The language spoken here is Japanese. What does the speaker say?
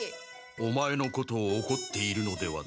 オマエのことをおこっているのではない。